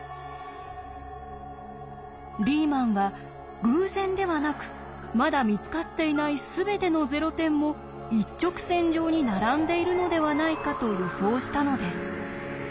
リーマンは偶然ではなくまだ見つかっていない全てのゼロ点も一直線上に並んでいるのではないかと予想したのです。